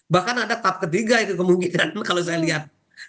bahkan ada tahap ketiga itu kemungkinan kalau saya lihat